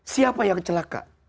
siapa yang celaka